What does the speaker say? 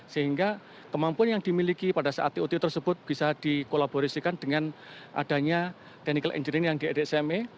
sehingga kemampuan yang dimiliki pada saat tot tersebut bisa dikolaborasikan dengan adanya technical engine yang di sma